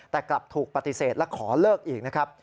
แต่กลับถูกปฏิเสธและขอเลิกอีกนะครับ